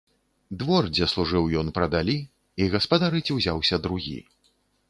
Двор, дзе служыў ён, прадалі, і гаспадарыць узяўся другі.